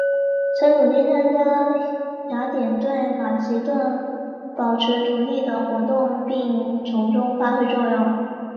曾努力参加雅典对马其顿保持独立的活动并从中发挥作用。